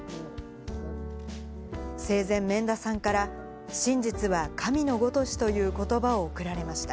生前、免田さんから、真実は神のごとしということばを贈られました。